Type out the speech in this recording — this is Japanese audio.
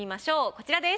こちらです。